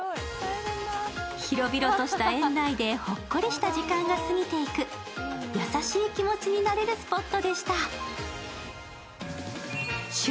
広々とした園内でほっこりとした時間がすぎていく優しい気持ちになれるスポットでした。